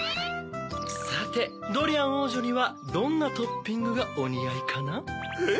さてドリアンおうじょにはどんなトッピングがおにあいかな？え？